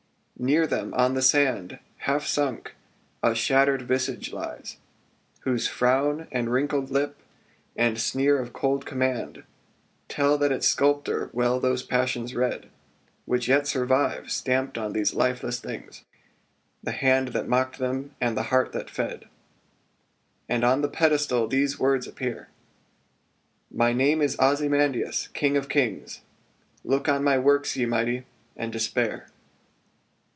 [d] Near them, on the sand, Half sunk, a shattered visage lies, whose frown, And wrinkled lip, and sneer of cold command, Tell that its sculptor well those passions read Which yet survive, stamped on these lifeless things, The hand that mocked them and the heart that fed: And on the pedestal these words appear: "My name is Ozymandias, king of kings: Look on my works, ye Mighty, and despair!"